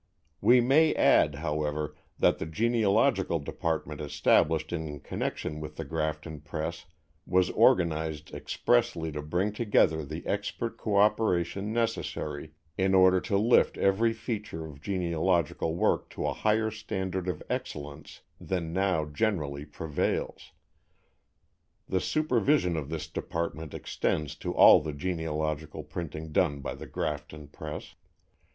We may add, however, that the Genealogical Department established in connection with The Grafton Press was organized expressly to bring together the expert co operation necessary in order to lift every feature of genealogical work to a higher standard of excellence than now generally prevails. The supervision of this department extends to all the genealogical printing done by The Grafton Press.